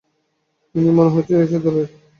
ইনিও মনে হচ্ছে সেই দলের।